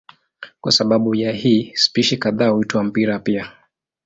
Kwa sababu ya hii spishi kadhaa huitwa mpira pia.